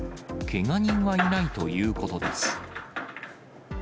けが人はいないということです。